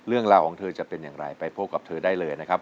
เรื่องราวของเธอจะเป็นอย่างไรไปพบกับเธอได้เลยนะครับ